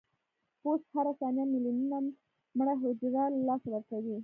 پوست هره ثانیه ملیونونه مړه حجرو له لاسه ورکوي.